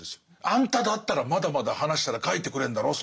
あんただったらまだまだ話したら書いてくれるんだろう